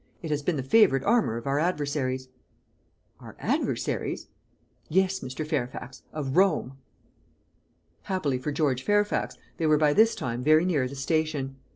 "It has been the favourite armour of our adversaries." "Our adversaries?" "Yes, Mr. Fairfax. Of ROME!" Happily for George Fairfax, they were by this time very near the station.